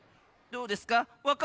どうですか？